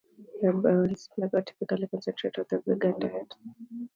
The biointensive method typically concentrates on the vegan diet.